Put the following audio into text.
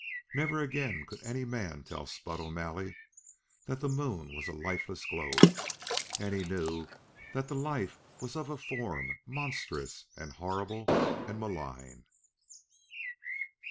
Never again could any man tell Spud O'Malley that the Moon was a lifeless globe ... and he knew that the life was of a form monstrous and horrible and malign!